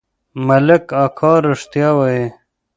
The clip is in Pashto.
ملک اکا رښتيا وايي.